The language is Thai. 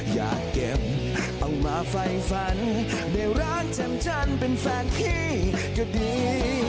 อยากเก็บเอามาไฟฟันในร้านแจ่มจันทร์เป็นแฟนพี่ก็ดี